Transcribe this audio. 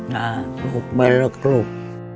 นะลูกแม่รักลูก